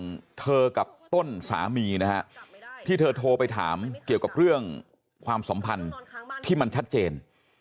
ของเธอกับต้นสามีนะฮะที่เธอโทรไปถามเกี่ยวกับเรื่องความสัมพันธ์ที่มันชัดเจน